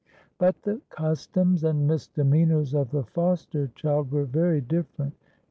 But the customs and misdemeanors of the foster child were very different.